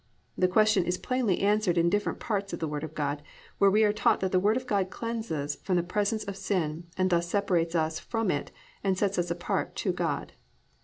This question is plainly answered in different parts of the Word of God, where we are taught that the Word of God cleanses from the presence of sin, and thus separates us from it and sets us apart to God.